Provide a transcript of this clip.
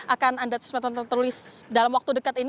akan ada statement tertulis dalam waktu dekat ini